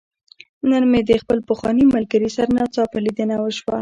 نن مې د خپل پخواني ملګري سره ناڅاپه ليدنه وشوه.